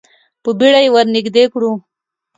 په بیړه یې ور نږدې کړو.